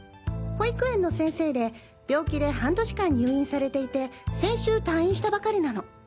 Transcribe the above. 保育園の先生で病気で半年間入院されていて先週退院したばかりなの。